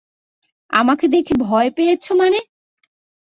আমাকে দেখে ভয় পেয়েছ মানে?